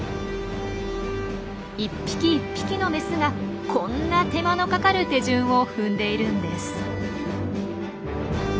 一匹一匹のメスがこんな手間のかかる手順を踏んでいるんです。